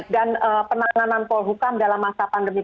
dan penanganan pol hukum dalam masa pandemi